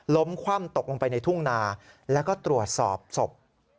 คว่ำตกลงไปในทุ่งนาแล้วก็ตรวจสอบศพ